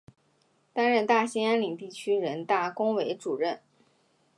担任大兴安岭地区人大工委主任。